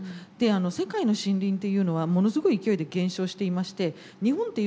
世界の森林っていうのはものすごい勢いで減少していまして日本っていうのはですね